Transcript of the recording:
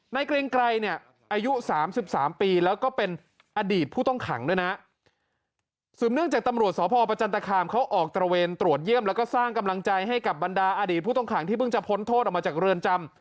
นายเกรียงไกรอายุ๓๓ปีแล้วก็เป็นอดีตผู้ต้องขังด้วยนะ